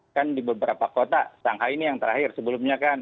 kan di beberapa kota shanghai ini yang terakhir sebelumnya kan